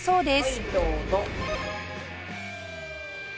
はいどうぞ。